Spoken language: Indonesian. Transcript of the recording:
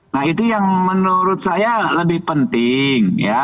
nah itu yang menurut saya lebih penting ya